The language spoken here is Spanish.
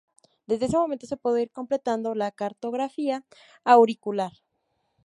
Desde este momento se pudo ir completando la cartografía auricular.